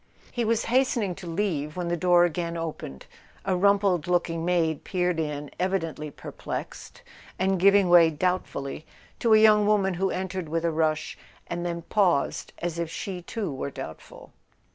He was hastening to leave when the door again opened. A rumpled looking maid peered in, evidently perplexed, and giving way doubtfully to a young woman who entered with a rush, and then paused as if she too [ 86 ] A SON AT THE FRONT were doubtful.